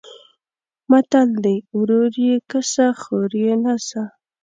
متل دی: ورور یې کسه خور یې نسه.